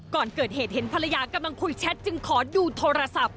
ก่อนเกิดเหตุเห็นภรรยากำลังคุยแชทจึงขอดูโทรศัพท์